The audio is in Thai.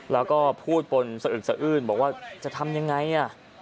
แล้วก็พูดปนสะอึกสะอื้นบอกว่าจะทำยังไง